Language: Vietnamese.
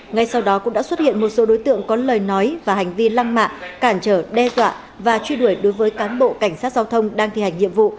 ngay sau đó cũng đã xuất hiện một số đối tượng có lời nói và hành vi lăng mạ cản trở đe dọa và truy đuổi đối với cán bộ cảnh sát giao thông đang thi hành nhiệm vụ